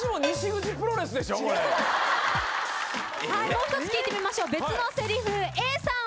もう１つ聞いてみましょう別のせりふＡさん